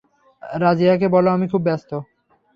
রাজিয়াকে বল আমি খুব ব্যাস্ত।